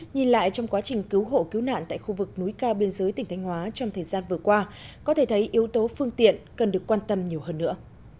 nhìn lại trong quá trình cứu hộ cứu nạn tại khu vực núi cao biên giới tỉnh thanh hóa trong thời gian vừa qua có thể thấy yếu tố phương tiện cần được quan tâm nhiều hơn nữa